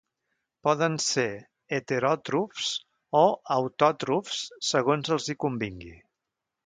Poden ser heteròtrofs o autòtrofs segons els hi convingui.